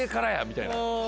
みたいな。